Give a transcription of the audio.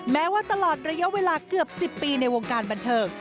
แม้ว่าตลอดระยะเวลาเกือบ๑๐ปีในวงการบันเทิง